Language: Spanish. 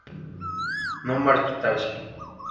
No marchitarse.